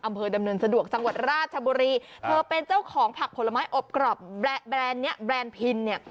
อำเภอดำเนินสะดวกจังหวัดราชบุรีเธอเป็นเจ้าของผักผลไม้อบกรอบแบรนด์เนี้ยแบรนด์พินเนี่ย